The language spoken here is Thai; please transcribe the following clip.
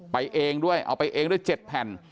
เองด้วยเอาไปเองด้วย๗แผ่น